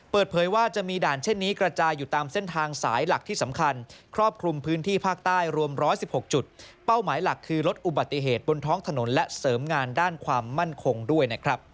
เปิดเผยว่าจะมีด่านเช่นนี้กระจายอยู่ตามเส้นทางสายหลักที่สำคัญ